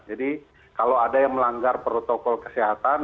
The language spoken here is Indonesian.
jadi kalau ada yang melanggar protokol kesehatan